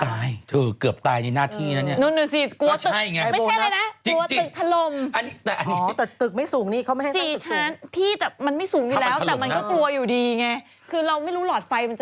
ตายเกือบตายในน่าที่นั้น